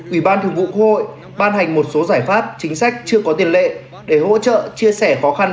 ủy ban thường vụ quốc hội ban hành một số giải pháp chính sách chưa có tiền lệ để hỗ trợ chia sẻ khó khăn